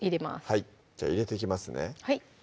はいじゃあ入れていきますね